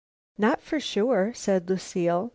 "Not for sure," said Lucile.